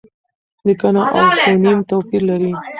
لیکنه او فونېم توپیر لري.